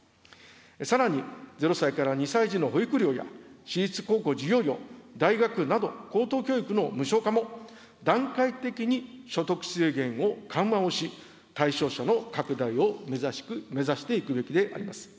さらに０歳から２歳児の保育料や、私立高校授業料、大学など高等教育の無償化も段階的に所得制限を緩和をし、対象者の拡大を目指していくべきであります。